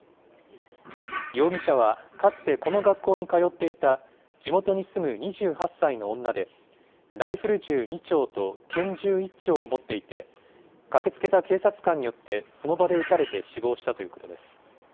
容疑者はかつてこの学校に通っていた地元に住む２８歳の女で、ライフル銃２丁と拳銃１丁を持っていて、駆けつけた警察官によってその場で撃たれて死亡したということです。